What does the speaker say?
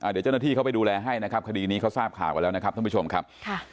เดี๋ยวเจ้าหน้าที่เขาไปดูแลให้นะครับคดีนี้เขาทราบข่าวกันแล้วนะครับท่านผู้ชมครับ